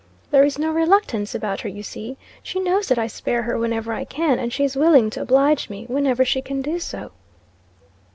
There is no reluctance about her, you see. She knows that I spare her whenever I can, and she is willing to oblige me, whenever she can do so."